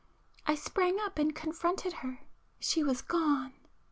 I sprang up and confronted her,——she was gone!